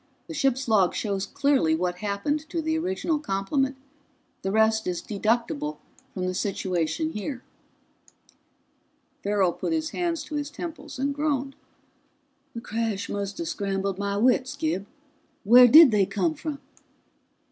The ship's log shows clearly what happened to the original complement. The rest is deducible from the situation here." Farrell put his hands to his temples and groaned. "The crash must have scrambled my wits. Gib, where did they come from?"